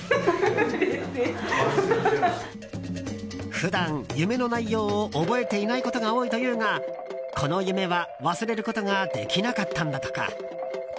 普段、夢の内容を覚えていないことが多いというがこの夢は忘れることができなかったんだとか。